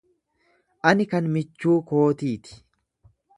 Ani kan michuu kootii ti.